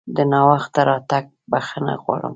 د ناوخته راتګ بښنه غواړم!